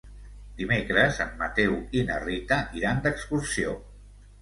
Dimecres en Mateu i na Rita iran d'excursió.